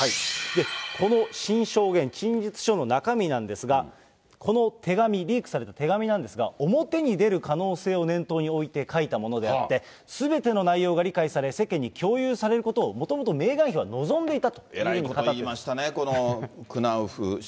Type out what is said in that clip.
この新証言、陳述書の中身なんですが、この手紙、リークされた手紙なんですが、表に出る可能性を念頭に置いて書いたものであって、すべての内容が理解され、世間に共有されることをもともとえらいこと言いましたね、このクナウフ氏。